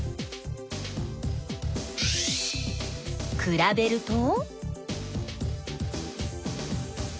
くらべると？